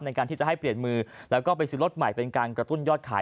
ในการที่จะให้เปลี่ยนมือแล้วก็ไปซื้อรถใหม่เป็นการกระตุ้นยอดขาย